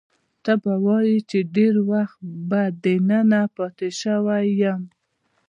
ته به وایې چې ډېر وخت به دننه پاتې شوی یم.